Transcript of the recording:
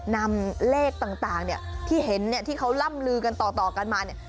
นำเลขต่างเนี่ยที่เห็นเนี่ยที่เขาล่ำลือกันต่อกันมาเนี่ย